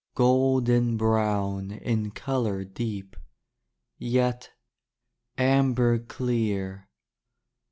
Golden brown In color Deep, Yet, amber clear.